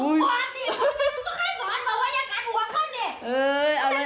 ให้สอนต่อไปก่อนเลย